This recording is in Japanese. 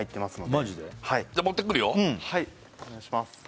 はいお願いします